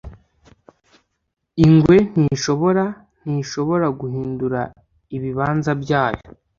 ingwe ntishobora / ntishobora guhindura ibibanza byayo.